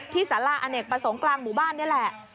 สาระอเนกประสงค์กลางหมู่บ้านนี่แหละ